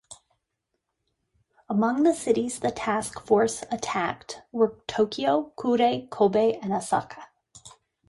Among the cities the task force attacked were Tokyo, Kure, Kobe, and Osaka.